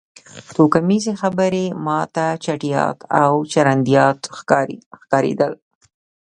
توکمیزې خبرې ما ته چټیات او چرندیات ښکارېدل